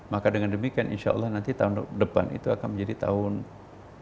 maka dengan demikian insya allah tahun depan itu akan menjadi tahun indonesia lah